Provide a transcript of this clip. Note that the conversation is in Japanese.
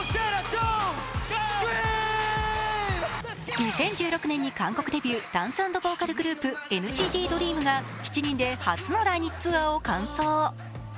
２０１６年に韓国デビューダンスアンドボーカルグループＮＣＴＤＲＥＡＭが７人で初の来日ツアーを完走。